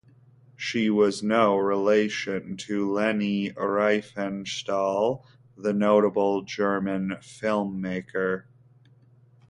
She was no relation to Leni Riefenstahl, the notable German filmmaker.